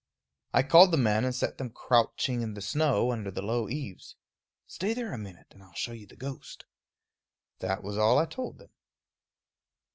I called the men and set them crouching in the snow under the low eaves. "Stay there a minute and I'll show you the ghost." That was all I told them.